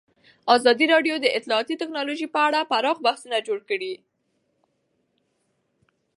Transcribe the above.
ازادي راډیو د اطلاعاتی تکنالوژي په اړه پراخ بحثونه جوړ کړي.